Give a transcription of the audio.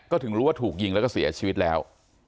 ก็ถึงรู้ว่าถูกยิงแล้วก็เสียชีวิตแล้ว